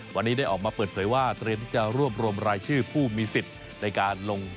วันนี้ได้ออกมาเปิดเผยว่าเตรียมที่จะรวบรวมรายชื่อผู้มีสิทธิ์ในการลง